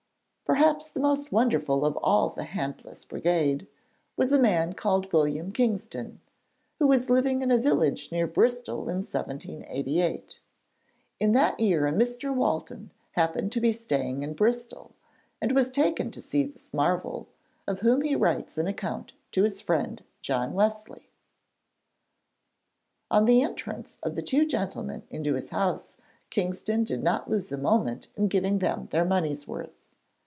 Perhaps the most wonderful of all the 'Handless Brigade' was a man called William Kingston, who was living in a village near Bristol in 1788. In that year a Mr. Walton happened to be staying in Bristol and was taken to see this marvel, of whom he writes an account to his friend John Wesley. On the entrance of the two gentlemen into his house Kingston did not lose a moment in giving them their money's worth.